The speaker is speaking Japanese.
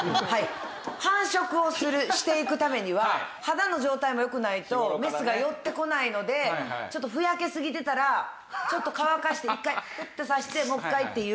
繁殖をしていくためには肌の状態も良くないとメスが寄ってこないのでふやけすぎてたらちょっと乾かして一回フッてさせてもう一回っていう。